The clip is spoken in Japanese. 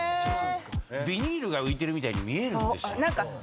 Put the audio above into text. ビニールが浮いてるみたいに見えるんですよ。